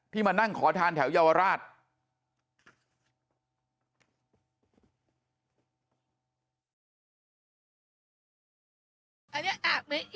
มานั่งขอทานแถวเยาวราช